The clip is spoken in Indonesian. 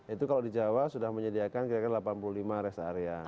itu kalau di jawa sudah menyediakan kira kira delapan puluh lima rest area